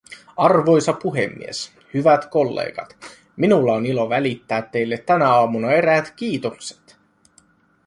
Arvoisa puhemies, hyvät kollegat, minulla on ilo välittää teille tänä aamuna eräät kiitokset.